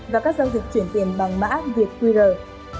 và các giao dịch chuyển tiền bằng mã việt twitter